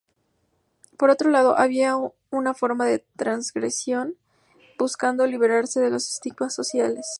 Por otro lado había una forma de transgresión, buscando liberarse de los estigmas sociales.